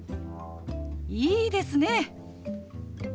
いいですね！